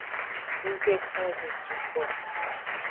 Nggbe kan eho sugbo o.